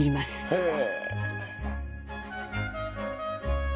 へえ！